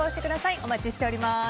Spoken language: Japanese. お待ちしております。